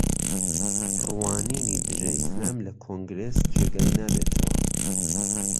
ڕوانینی دژە ئیسلام لە کۆنگرێس جێگای نابێتەوە